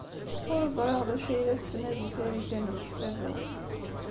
Ur ẓriɣ d acu ay la tettnadi Farida n Ukeffadu.